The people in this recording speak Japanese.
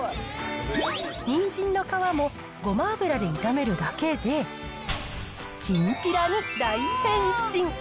にんじんの皮も、ごま油で炒めるだけで、きんぴらに大変身。